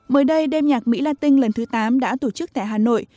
mới đây đêm nhạc mỹ latin lần thứ tám đã tổ chức tại hà nội